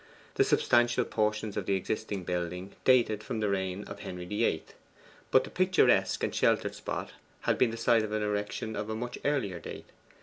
The substantial portions of the existing building dated from the reign of Henry VIII.; but the picturesque and sheltered spot had been the site of an erection of a much earlier date.